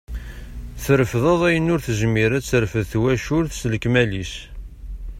Terfdeḍ ayen ur tezmir ad terfed twacult s lekmal-is.